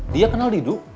dia kenal didu